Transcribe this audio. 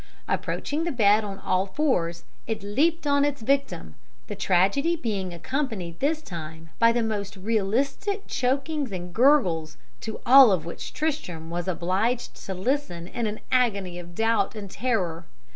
Approaching the bed on 'all fours,' it leapt on its victim, the tragedy being accompanied this time by the most realistic chokings and gurgles, to all of which Tristram was obliged to listen in an agony of doubt and terror.